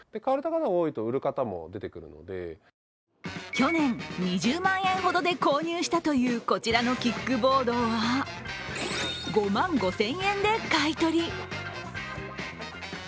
去年２０万円ほどで購入したというこちらのキックボードは、５万５０００円で買い取り。